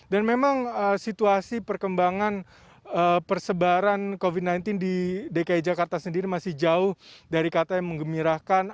memang situasi perkembangan persebaran covid sembilan belas di dki jakarta sendiri masih jauh dari kata yang mengembirakan